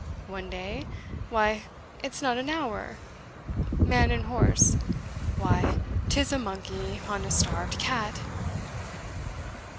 One day? why, it's not an hour Man and horse? why, 'tis a monkey on a starved cat!"